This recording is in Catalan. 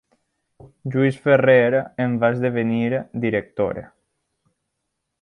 Lluís Ferrer en va esdevenir director.